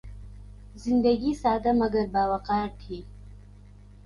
زندگی سادہ مگر باوقار تھی